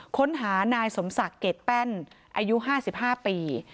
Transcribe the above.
ค้นหานายสมศักดิ์เกรดแป้นอายุ๕๕ปี